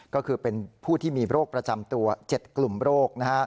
ก็คือเป็นผู้ที่มีโรคประจำตัว๗กลุ่มโรค